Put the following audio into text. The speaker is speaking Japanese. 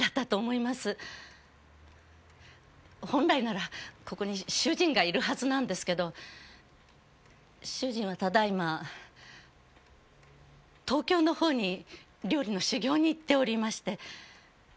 本来ならここに主人がいるはずなんですけど主人はただ今東京のほうに料理の修行に行っておりまして。